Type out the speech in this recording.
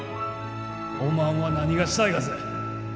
おまんは何がしたいがぜ？